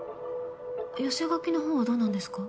寄せ書きのほうはどうなんですか？